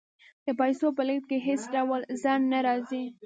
د پیسو په لیږد کې هیڅ ډول ځنډ نه راځي.